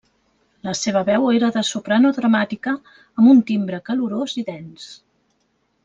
La seva veu era de soprano dramàtica, amb un timbre calorós i dens.